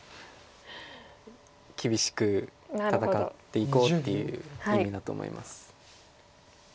厳しく戦っていこうっていう意味だと思います。